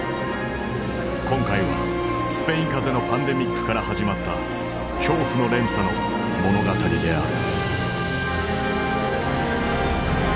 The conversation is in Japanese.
今回はスペイン風邪のパンデミックから始まった恐怖の連鎖の物語である。